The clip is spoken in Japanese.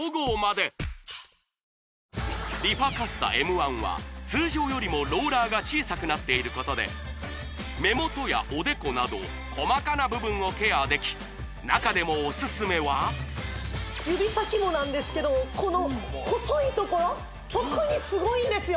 １は通常よりもローラーが小さくなっていることで目元やおでこなど細かな部分をケアでき中でもオススメは指先もなんですけどこの細いところ特にすごいいいんですよ